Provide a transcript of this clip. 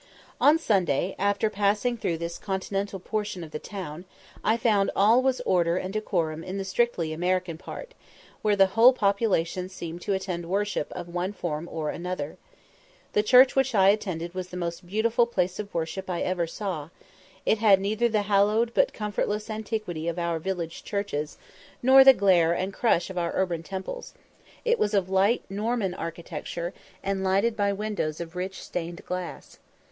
On Sunday, after passing through this continental portion of the town, I found all was order and decorum in the strictly American part, where the whole population seemed to attend worship of one form or another. The church which I attended was the most beautiful place of worship I ever saw; it had neither the hallowed but comfortless antiquity of our village churches, nor the glare and crush of our urban temples; it was of light Norman architecture, and lighted by windows of rich stained glass.